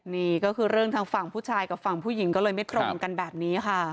นี่ก็คือเรื่องทางฝั่งผู้ชายกับฝั่งผู้หญิงก็เลยไม่ตรงกันแบบนี้ค่ะ